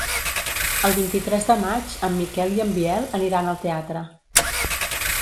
El vint-i-tres de maig en Miquel i en Biel aniran al teatre.